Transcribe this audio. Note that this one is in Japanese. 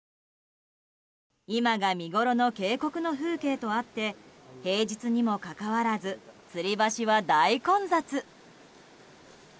今が見ごろの渓谷の風景とあって平日にもかかわらずつり橋は大混雑。